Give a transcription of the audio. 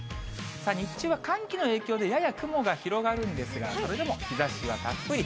日中は寒気の影響で、やや雲が広がるんですが、それでも日ざしはたっぷり。